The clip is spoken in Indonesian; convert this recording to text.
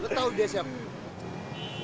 eh lo tau dia siapa